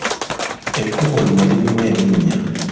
Ekkubo lino lirimu ebinnya.